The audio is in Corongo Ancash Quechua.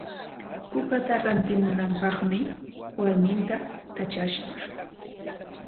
Kukata rantimunapaqmi warminta katrashqa.